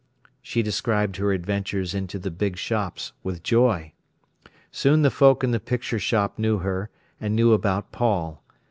She described her adventures into the big shops with joy. Soon the folk in the picture shop knew her, and knew about Paul.